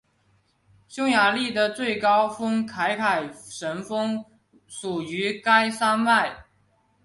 匈牙利的最高峰凯凯什峰属于该山脉。